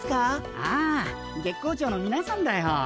ああ月光町のみなさんだよ。